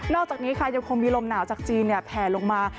อกจากนี้ค่ะยังคงมีลมหนาวจากจีนแผลลงมา